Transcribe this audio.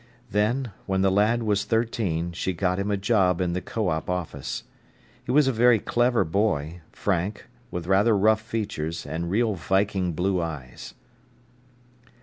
Then, when the lad was thirteen, she got him a job in the "Co op." office. He was a very clever boy, frank, with rather rough features and real viking blue eyes.